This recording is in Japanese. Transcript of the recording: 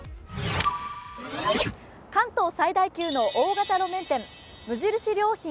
関東最大級の大型路面店無印良品